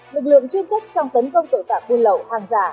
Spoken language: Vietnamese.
lực lượng chuyên chất trong tấn công tổ tạng quân lậu hàng giả